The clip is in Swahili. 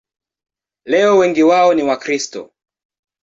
Leo wengi wao ni Wakristo.